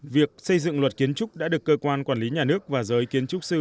việc xây dựng luật kiến trúc đã được cơ quan quản lý nhà nước và giới kiến trúc sư